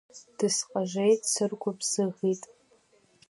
Дысҟажеит, дсыргәыбзыӷит.